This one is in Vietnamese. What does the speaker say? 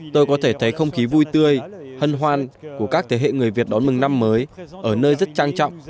tôi có thể thấy không khí vui tươi hân hoan của các thế hệ người việt đón mừng năm mới ở nơi rất trang trọng